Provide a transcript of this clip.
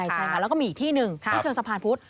ใช่ค่ะแล้วก็มีอีกที่หนึ่งที่เชิงสะพานพุธ